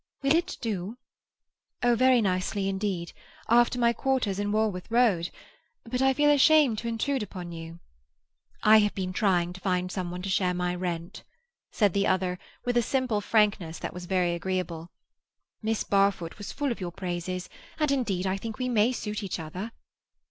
"Will it do?" "Oh, very nicely indeed. After my quarters in Walworth Road! But I feel ashamed to intrude upon you." "I have been trying to find someone to share my rent," said the other, with a simple frankness that was very agreeable. "Miss Barfoot was full of your praises—and indeed I think we may suit each other."